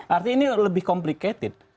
artinya ini lebih komplikated